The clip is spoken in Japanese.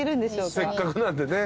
せっかくなんでね